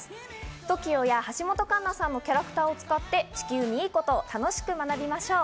ＴＯＫＩＯや橋本環奈さんのキャラクターを使って地球にいいことを楽しく学びましょう。